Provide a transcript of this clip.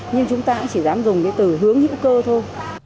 nhưng chúng ta cũng chỉ dám dùng cái từ hướng hữu cơ thôi